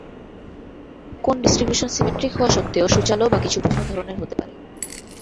কোন distribution symmetric হওয়া সত্ত্বেও সূচালো বা কিছুটা ভোতা ধরনের হতে পারে।